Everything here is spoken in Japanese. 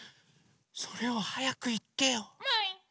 それをはやくいってよ。もい！